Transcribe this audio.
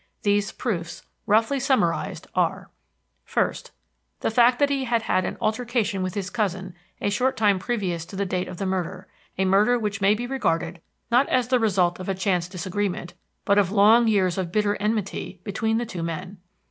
These proofs, roughly summarized, are: "First. The fact that he had had an altercation with his cousin a short time previous to the date of the murder, a murder which may be regarded not as the result of a chance disagreement, but of long years of bitter enmity between the two men.